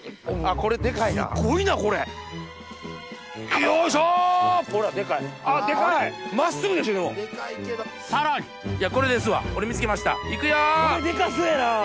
これデカそうやな。